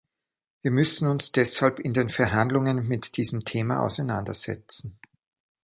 Wir müssen uns deshalb in den Verhandlungen mit diesem Thema auseinandersetzen.